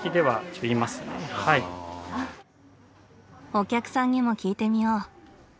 お客さんにも聞いてみよう。